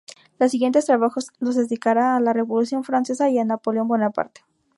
Sus siguientes trabajos los dedicará a la Revolución francesa y Napoleón Bonaparte.